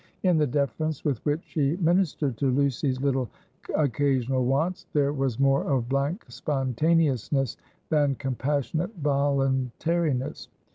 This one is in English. In the deference with which she ministered to Lucy's little occasional wants, there was more of blank spontaneousness than compassionate voluntariness.